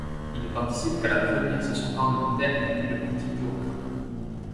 Il ne participe qu'à la première session parlementaire et appuie le Parti bureaucrate.